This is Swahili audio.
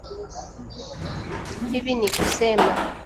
Hivi ni kusema